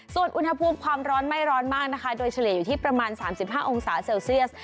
ส่วนอุณหภูมิความร้อนไม่ร้อนมากนะคะโดยเฉลี่ยอยู่ที่ประมาณ๓๕องศาเซลเซียส